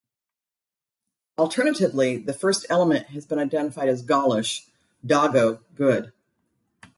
Alternatively, the first element has been identified as Gaulish "dago" "good".